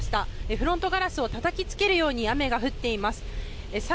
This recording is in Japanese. フロントガラスをたたきつけるように雨が降っています。